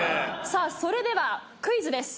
さぁそれではクイズです。